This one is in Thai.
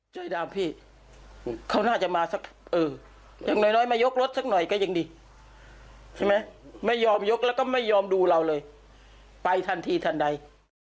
ช่วยกันตามเมื่อเวลาเลยไปทันทีทันได้